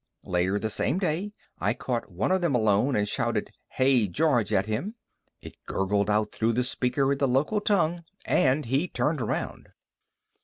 Later the same day, I caught one of them alone and shouted "Hey, George!" at him. It gurgled out through the speaker in the local tongue and he turned around.